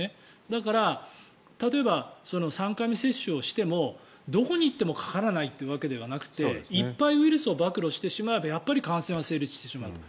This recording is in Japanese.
だから例えば、３回目接種をしてもどこに行ってもかからないというわけではなくていっぱいウイルスを暴露してしまえばやっぱり感染は成立してしまうと。